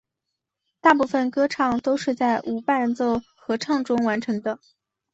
大部分歌唱都是在无伴奏合唱中完成的。